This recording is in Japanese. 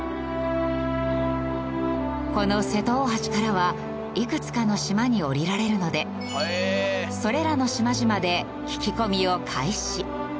この瀬戸大橋からはいくつかの島に下りられるのでそれらの島々で聞き込みを開始。